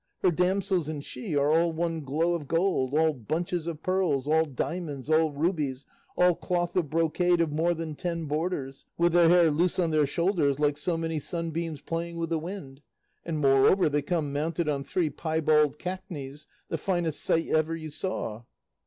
Her damsels and she are all one glow of gold, all bunches of pearls, all diamonds, all rubies, all cloth of brocade of more than ten borders; with their hair loose on their shoulders like so many sunbeams playing with the wind; and moreover, they come mounted on three piebald cackneys, the finest sight ever you saw."